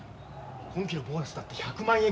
今期のボーナスだって１００万円。